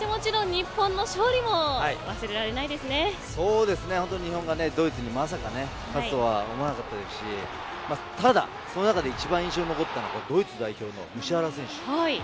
日本が本当にドイツにまさか勝つとは思わなかったですしただその中で、一番印象に残ったのがドイツ代表のムシアラ選手。